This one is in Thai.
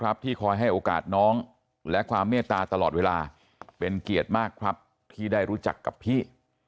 ที่คอยให้โอกาสน้องและความเมตตาตลอดเวลาเป็นเกียรติมากครับที่ได้รู้จักกับพี่